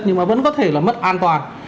nhưng mà vẫn có thể là mất an toàn